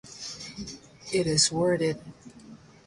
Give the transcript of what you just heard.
It is worth it.